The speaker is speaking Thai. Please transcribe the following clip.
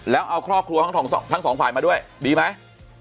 แล้วเอาครอบครัวทั้งสองฝ่ายมาด้วยดีไหม